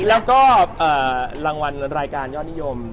แล้วก็รางวัลรายการยอดนิยม